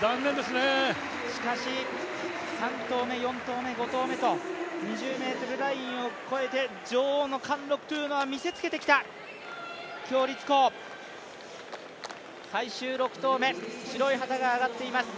しかし３投目、４投目、５投目と２０ｍラインを越えて女王の貫禄というのは見せつけてきた鞏立コウ、最終６投目白い旗が上がっています。